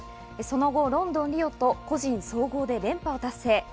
その後、ロンドン、リオと個人総合で連覇を達成。